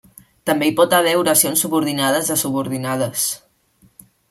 També hi pot haver oracions subordinades de subordinades.